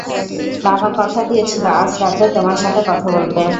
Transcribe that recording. বাবা কথা দিয়েছিল আজ রাতে তোমার সাথে কথা বলবে।